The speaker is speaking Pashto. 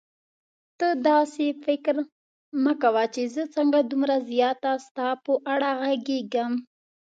ته داسې فکر مه کوه چې زه څنګه دومره زیاته ستا په اړه غږېږم.